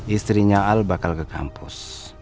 istrinya al bakal ke kampus